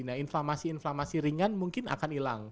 nah inflammasi inflammasi ringan mungkin akan hilang